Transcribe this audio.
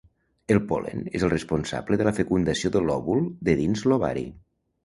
El pol·len és el responsable de la fecundació de l'òvul de dins l'ovari.